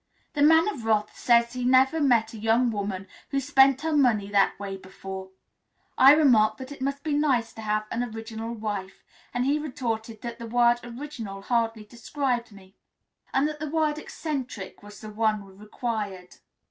The Man of Wrath says he never met a young woman who spent her money that way before; I remarked that it must be nice to have an original wife; and he retorted that the word original hardly described me, and that the word eccentric was the one required.